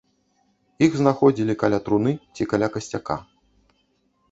Іх знаходзілі каля труны ці каля касцяка.